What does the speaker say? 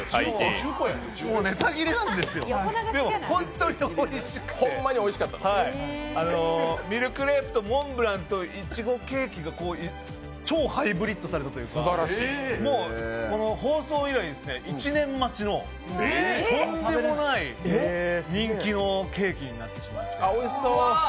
でも本当においしくてミルクレープとモンブランといちごケーキが超ハイブリットされたというか、放送後、１年待ちのとんでもない人気のケーキになってしまった。